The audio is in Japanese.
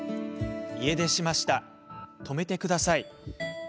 家出しました、泊めてください。